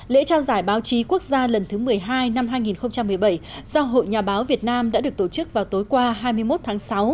lễ trao giải báo chí quốc gia lần thứ một mươi hai năm hai nghìn một mươi bảy do hội nhà báo việt nam đã được tổ chức vào tối qua hai mươi một tháng sáu